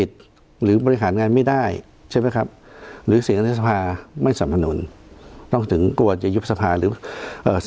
ใช่ไหมครับหรือสินทะสภาไม่สำนันต้องถึงกลัวจะยุบสภาหรือเอ่อ